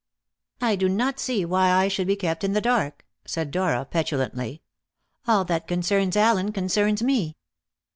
"I do not see why I should be kept in the dark," said Dora petulantly. "All that concerns Allen concerns me."